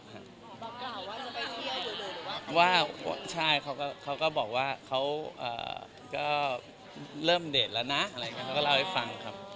บอกกล่าวว่าจะไปเที่ยวอยู่หรือว่าว่าใช่เค้าก็บอกว่าเค้าก็เริ่มเดทแล้วนะอะไรแบบนี้เค้าเล่าให้ฟังครับ